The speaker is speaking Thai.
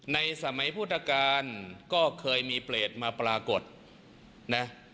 ในสมัยพุทธกาลก็เคยมีเปรตมาปรากฏนะ